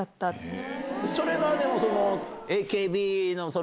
それまでも。